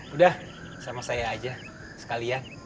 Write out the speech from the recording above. udah sama saya aja sekalian